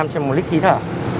trên một lít khí thở